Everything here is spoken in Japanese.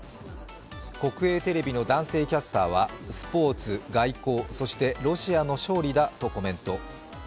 国営テレビの男性キャスターはスポーツ、外交、そしてロシアの勝利だとコメント。